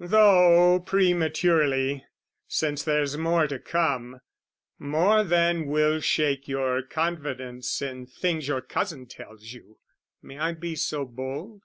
Though prematurely, since there's more to come, More than will shake your confidence in things Your cousin tells you, may I be so bold?